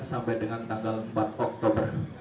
sampai dengan tanggal empat oktober